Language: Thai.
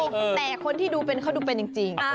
แต่คนที่ดูเป็นเขาดูเป็นจริง